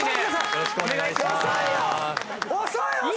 よろしくお願いします。